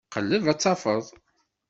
Qelleb ad tafeḍ.